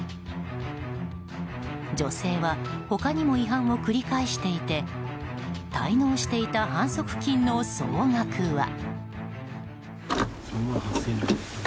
女性は他にも違反を繰り返していて滞納していた反則金の総額は。